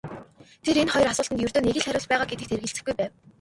Тэр энэ хоёр асуултад ердөө нэг л хариулт байгаа гэдэгт эргэлзэхгүй байв.